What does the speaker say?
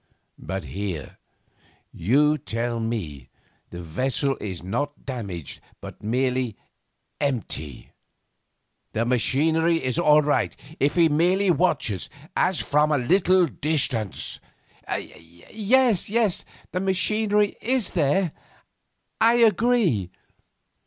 'But here, you tell me, the vessel is not damaged, but merely empty. The machinery is all right. If he merely watches, as from a little distance ' 'Yes, yes, the machinery is there, I agree.